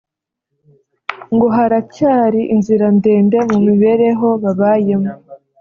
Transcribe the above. ngo haracyari inzira ndende mu mibereho babayemo